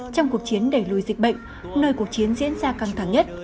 trong cuộc chiến đẩy lùi dịch bệnh nơi cuộc chiến diễn ra căng thẳng nhất